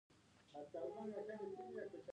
د کیموتراپي سرطان حجرو وژني.